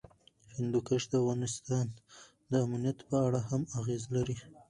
هندوکش د افغانستان د امنیت په اړه هم اغېز لري.